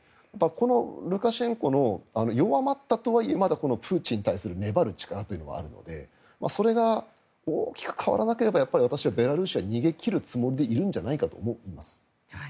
このルカシェンコの弱まったとはいえまだプーチンに対する粘る力というのはあるのでそれが大きく変わらなければ私はやっぱりベラルーシは逃げ切るつもりでいるんだと思います。